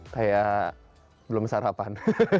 kayak belum sarapan